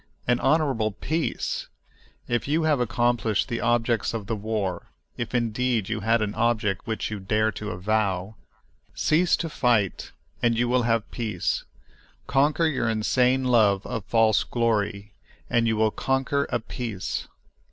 An honorable peace! If you have accomplished the objects of the war—if indeed you had an object which you dare to avow—cease to fight and you will have peace. Conquer your insane love of false glory, and you will "conquer a peace."